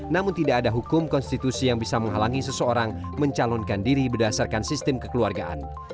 namun tidak ada hukum konstitusi yang bisa menghalangi seseorang mencalonkan diri berdasarkan sistem kekeluargaan